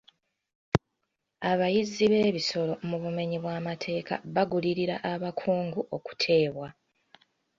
Abayizzi b'ebisolo mu bumenyi bw'amateeka bagulirira abakungu okuteebwa.